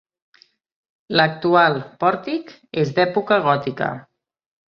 L'actual pòrtic és d'època gòtica.